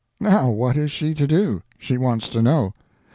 Now what is she to do? She wants to know.